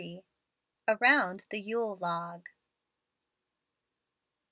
AROUND THE YULE LOG.